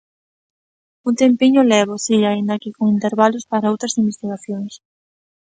Un tempiño levo, si, aínda que con intervalos para outras investigacións.